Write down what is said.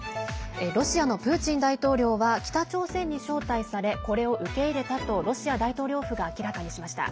ロシアのプーチン大統領は北朝鮮に招待されこれを受け入れたとロシア大統領府が明らかにしました。